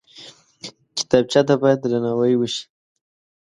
کتابچه ته باید درناوی وشي